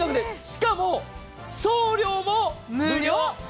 しかも、送料も無料！